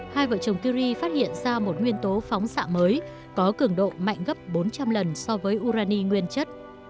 hai vợ chồng kiri phát hiện ra một nguyên tố phóng xạ mới có cường độ mạnh gấp bốn trăm linh lần so với urani nguyên chất